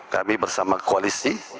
kami bersama koalisi